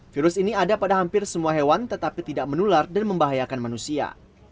virus ini ada pada hampir semua hewan tetapi tidak menular dan membahayakan manusia